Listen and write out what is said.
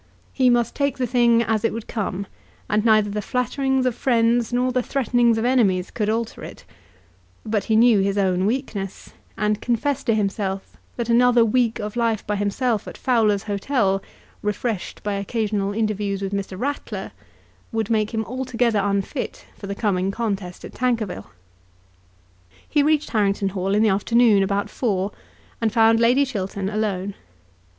He must take the thing as it would come, and neither the flatterings of friends nor the threatenings of enemies could alter it; but he knew his own weakness, and confessed to himself that another week of life by himself at Fowler's Hotel, refreshed by occasional interviews with Mr. Ratler, would make him altogether unfit for the coming contest at Tankerville. He reached Harrington Hall in the afternoon about four, and found Lady Chiltern alone.